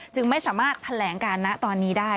จึงไม่สามารถแถลงการนะตอนนี้ได้